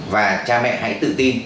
và cha mẹ hãy tự tin